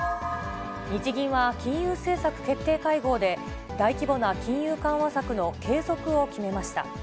日銀は金融政策決定会合で、大規模な金融緩和策の継続を決めました。